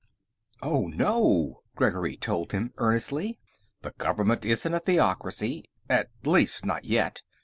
"No, no," Gregory told him earnestly. "The government isn't a theocracy. At least not yet.